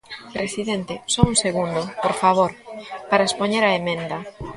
Presidente, só un segundo, por favor, para expoñer a emenda.